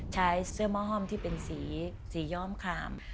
มีห้อมที่เป็นสียอมคาม